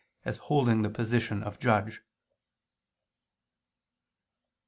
as holding the position of judge.